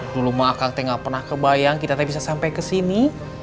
dulu mah kang pernah ngga kebayang kita ngga bisa sampai kesini